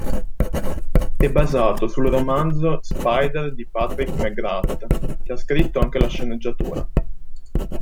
È basato sul romanzo "Spider" di Patrick McGrath, che ha scritto anche la sceneggiatura.